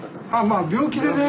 あ病気でね